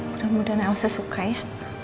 mudah mudahan elsa suka ya